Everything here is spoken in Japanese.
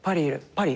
パリ？